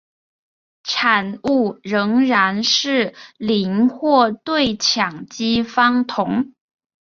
产物仍然是邻或对羟基芳酮。